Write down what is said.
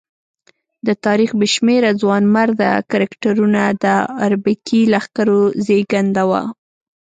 د تاریخ بې شمېره ځوانمراده کرکټرونه د اربکي لښکرو زېږنده وو.